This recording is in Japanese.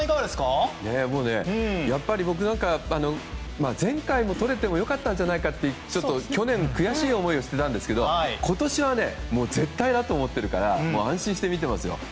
やっぱり、僕なんかは前回もとれても良かったんじゃないかと去年、悔しい思いをしていたんですけど今年は、絶対だと思っているから安心して見ていますよ。